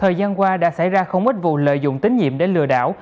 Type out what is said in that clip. thời gian qua đã xảy ra không ít vụ lợi dụng tín nhiệm để lừa đảo